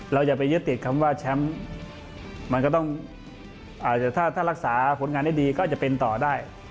อย่าไปยึดติดคำว่าแชมป์มันก็ต้องอาจจะถ้ารักษาผลงานได้ดีก็จะเป็นต่อได้